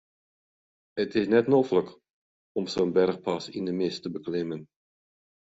It is net noflik om sa'n berchpas yn de mist te beklimmen.